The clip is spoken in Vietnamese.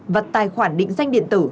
và tài khoản định danh điện tử